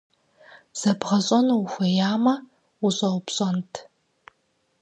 Зэбгъэщӏэну ухуеямэ, ущӏэупщӏэнт.